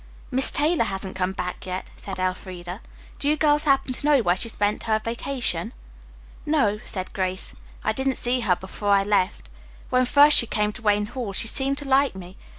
"Miss Taylor hasn't come back yet," said Elfreda. "Do you girls happen to know where she spent her vacation?" "No," said Grace. "I didn't see her before I left. When first she came to Wayne Hall she seemed to like me.